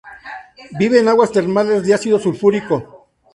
Vive en aguas termales de ácido sulfúrico.